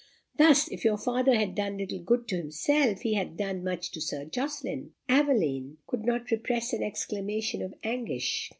Thus, if your father has done little good to himself, he hath done much to Sir Jocelyn." Aveline could not repress an exclamation of anguish.